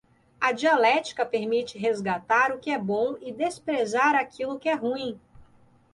A dialética permite resgatar o que é bom e desprezar aquilo que é ruim